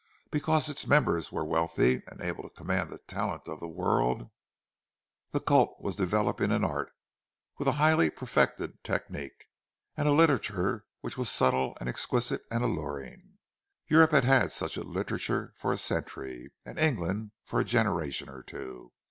Because its members were wealthy, and able to command the talent of the world, the cult was developing an art, with a highly perfected technique, and a literature which was subtle and exquisite and alluring. Europe had had such a literature for a century, and England for a generation or two.